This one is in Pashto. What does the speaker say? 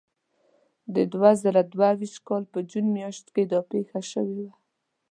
د دوه زره دوه ویشتم کال په جون میاشت کې دا پېښه شوې وه.